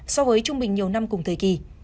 so với trung bình nhiều năm cùng thời kỳ